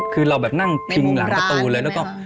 คือเราแบบนั่งพิงหลังประตูเลยแล้วก็